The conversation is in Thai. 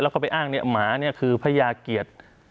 แล้วก็ไปอ้างเนี่ยหมาเนี่ยคือพญาเกียรติ